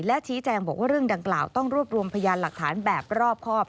และชี้แจงบอกว่าเรื่องดังกล่าวต้องรวบรวมพยานหลักฐานแบบรอบครอบ